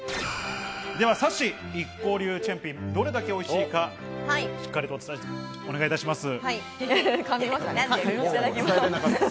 ではさっしー、ＩＫＫＯ流チェンピン、どれだけおいしいかしっかりとお伝えお願いします。